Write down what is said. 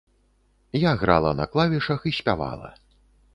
Я грала на клавішах і спявала.